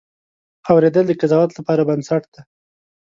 اورېدل د قضاوت لپاره بنسټ دی.